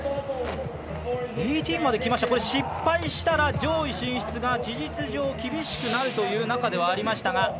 失敗したら上位進出が事実上厳しくなるという中ではありましたが。